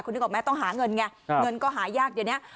นึกออกไหมต้องหาเงินไงเงินก็หายากเดี๋ยวนี้